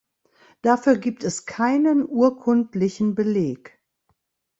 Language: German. Dafür gibt es keinen urkundlichen Beleg.